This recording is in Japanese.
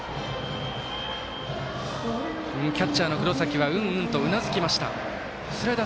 キャッチャーの黒崎はうんうんとうなずきました。